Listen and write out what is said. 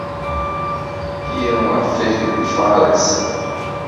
Kion la fek' vi faras